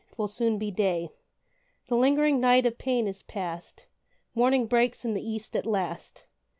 'twill soon be day;" The lingering night of pain is past, Morning breaks in the east at last.